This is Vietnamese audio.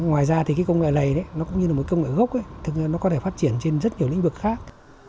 ngoài ra công nghệ này cũng như là công nghệ gốc thường có thể phát triển trên rất nhiều lĩnh vực khác